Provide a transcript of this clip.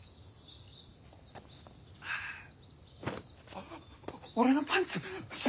あっ俺のパンツ！